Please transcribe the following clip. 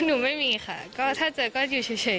หนูไม่มีค่ะก็ถ้าเจอก็อยู่เฉย